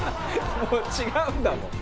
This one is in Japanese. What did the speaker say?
「もう違うんだもん」